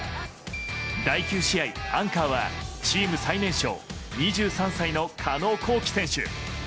第９試合、アンカーはチーム最年少２３歳の加納虹輝選手。